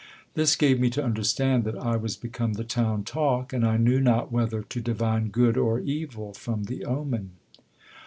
This gave me to understand that I was become the town talk, and I knew not whether to divine good or evil from the omen.